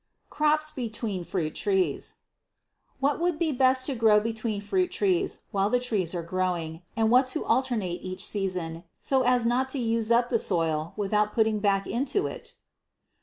Crops Between Fruit Trees. What would be best to grow between fruit trees, while the trees are growing, and what to alternate each season, so as not to use up the soil without putting back into it?